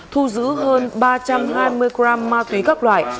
thu giữ hơn ba trăm hai mươi g ma túy các loại